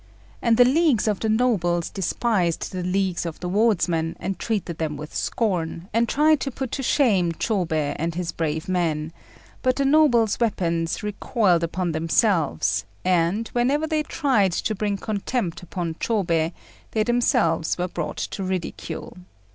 And the leagues of the nobles despised the leagues of the wardsmen, and treated them with scorn, and tried to put to shame Chôbei and his brave men; but the nobles' weapons recoiled upon themselves, and, whenever they tried to bring contempt upon Chôbei, they themselves were brought to ridicule.